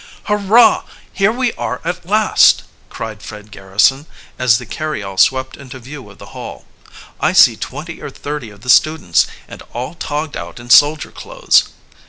"Hurrah, here we are at last!" cried Fred Garrison, as the carryall swept into view of the Hall. "I see twenty or thirty of the students, and all togged out in soldier clothes!"